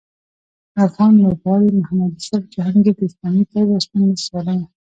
افغان لوبغاړي محمد یوسف جهانګیر د اسلامي پیوستون له سیالیو